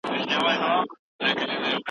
که کتاب په زړه نه وي، بې ځایه پیسې مه ورکوی.